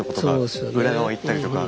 裏側行ったりとか。